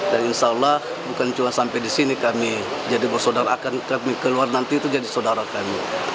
dan insya allah bukan cuma sampai di sini kami jadi persaudara akan kami keluar nanti itu jadi saudara kami